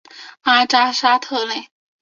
阿扎沙特内。